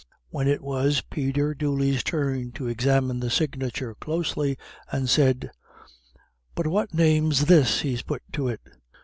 When it was Peter Dooley's turn he examined the signature closely, and said, "But what name's this he's put to it?